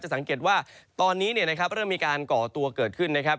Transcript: สังเกตว่าตอนนี้เริ่มมีการก่อตัวเกิดขึ้นนะครับ